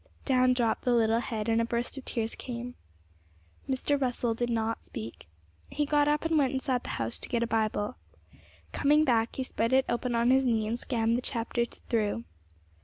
Down dropped the little head, and a burst of tears came. Mr. Russell did not speak; he got up and went inside the house to get a Bible. Coming back, he spread it open on his knee and scanned the chapter through.